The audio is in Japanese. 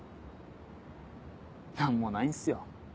何もないんすよ